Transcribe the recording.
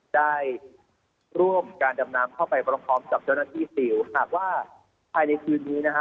ได้ร่วมการดำน้ำเข้าไปพร้อมกับเจ้าหน้าที่สิวหากว่าภายในคืนนี้นะฮะ